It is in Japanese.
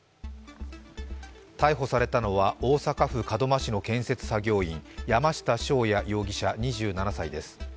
逮捕されたのは大阪府門真市の建設作業員山下翔也容疑者、２７歳です。